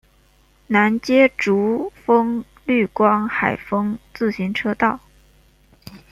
南接竹风绿光海风自行车道。